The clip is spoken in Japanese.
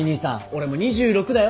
俺もう２６だよ？